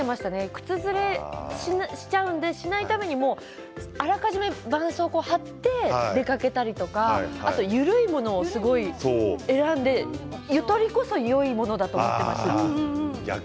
靴ずれしちゃうのでしないためにあらかじめばんそうこうを貼って出かけたりとか緩いもの選んでゆとりこそよいものだと思っています。